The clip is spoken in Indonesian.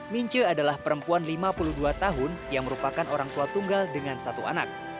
minche adalah perempuan lima puluh dua tahun yang merupakan orang tua tunggal dengan satu anak